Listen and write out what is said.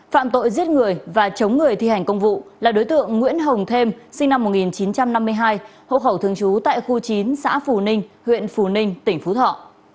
phạm tội giết người và chống người thi hành công vụ là đối tượng nguyễn hồng thêm sinh năm một nghìn chín trăm năm mươi hai hộ khẩu thường trú tại khu chín xã phù ninh huyện phù ninh tỉnh phú thọ